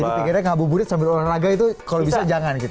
jadi pikirnya ngabuburit sambil olahraga itu kalau bisa jangan gitu